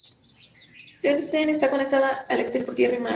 Swansea está conectada al exterior por tierra y mar.